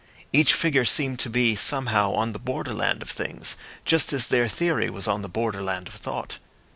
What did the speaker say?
Each figure seemed to be, somehow, on the borderland of things, just as their theory was on the borderland of thought.